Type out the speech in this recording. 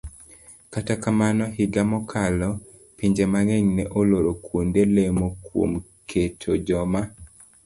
Kata kamano, higa mokalo, pinje mang'eny ne oloro kuonde lemo kuom keto joma